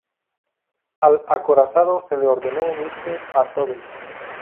Al acorazado se le ordenó unirse a Tovey.